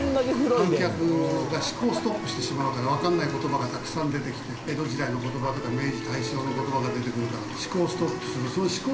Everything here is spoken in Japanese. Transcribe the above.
観客が思考ストップしてしまうから分からない言葉がたくさん出てきて江戸時代の言葉とか明治、大正の言葉が出てくるから思考ストップするその思考